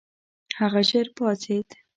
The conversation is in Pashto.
هغه ژر پاڅېد.